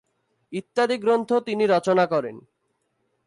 ইত্যাদি গ্রন্থ তিনি রচনা করেন।